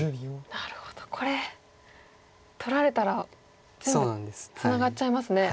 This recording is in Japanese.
なるほどこれ取られたら全部ツナがっちゃいますね。